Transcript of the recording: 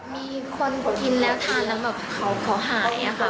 มีคนกินแล้วทานแล้วแบบเขาหายอะค่ะ